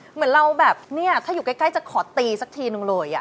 เหมือนเราแบบเนี่ยถ้าอยู่ใกล้จะขอตีสักทีนึงเลย